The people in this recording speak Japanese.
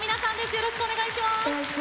よろしくお願いします。